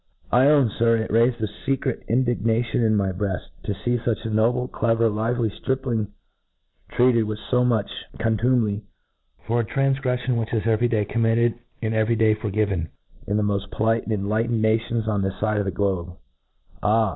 I own, Sir, it raifed a fecret indignation in my breaft, to fee fuch a noble, clever, lively ftxip ling treated with fo much contumely, for a tranf ^ greffion which is every day committed, and eve tj day forgiven, in the mpft polite and enligh tened nations on this fide of the globe. — Ah